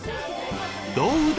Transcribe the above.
どうだ！